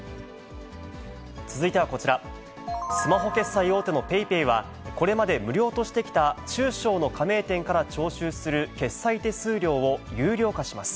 続いてはこちら、スマホ決済大手のＰａｙＰａｙは、これまで無料としてきた中小の加盟店から徴収する決済手数料を有料化します。